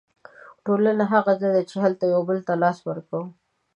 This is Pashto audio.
ټولنه هغه ځای دی چې هلته یو بل ته لاس ورکوو.